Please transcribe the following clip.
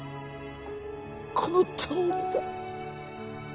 このとおりだ。